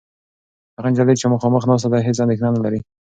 هغه نجلۍ چې مخامخ ناسته ده، هېڅ اندېښنه نهلري.